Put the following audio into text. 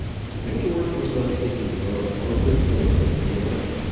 But George was not thinking now of Arthur or of Adela.